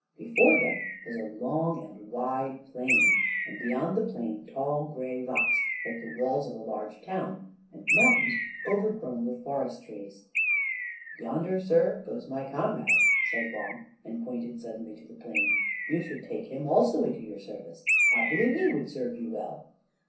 Before them was a long and wide plain, and beyond the plain tall gray rocks like the walls of a large town, and mountains overgrown with forest trees. "Yonder, sir, goes my comrade!" said Long, and pointed suddenly to the plain; "you should take him also into your service; I believe he would serve you well."